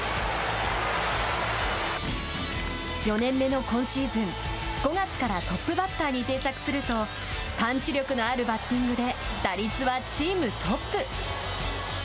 ４年目の今シーズン５月からトップバッターに定着するとパンチ力のあるバッティングで打率はチームトップ。